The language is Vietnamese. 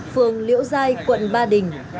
phường liễu giai quận ba đình